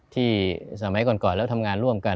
สมัยก่อนแล้วทำงานร่วมกัน